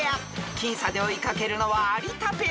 ［僅差で追い掛けるのは有田ペア］